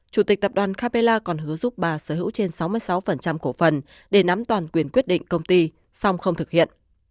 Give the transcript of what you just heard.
chủ tịch tập đoàn capella còn hứa giúp bà sở hữu trên sáu mươi sáu cổ phần để nắm toàn quyền quyết định công ty song không thực hiện